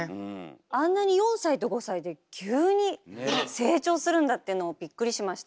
あんなに４歳と５歳で急に成長するんだっていうのをびっくりしました。